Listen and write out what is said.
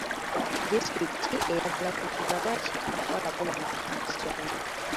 Disitulikiti eyagala kuzuula lwaki abawala bawanduka mu ssomero?